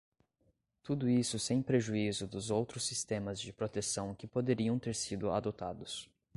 Tudo isso sem prejuízo dos outros sistemas de proteção que poderiam ter sido adotados.